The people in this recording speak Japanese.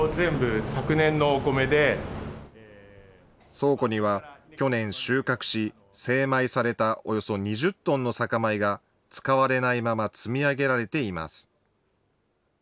倉庫には去年収穫し、精米されたおよそ２０トンの酒米が使われないまま積み上げられています。